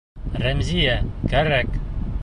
Рәмзиә, кәрәк...